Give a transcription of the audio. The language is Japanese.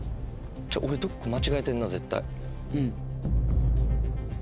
俺どっか間違えてんな絶対。